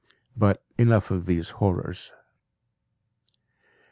But enough of these horrors.